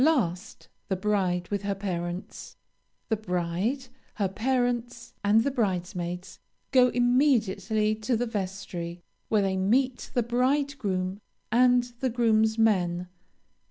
Last, the bride with her parents. The bride, her parents, and the bridesmaids go immediately to the vestry, where they meet the bridegroom, and the groomsmen.